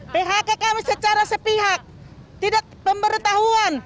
phk kami secara sepihak tidak pemberitahuan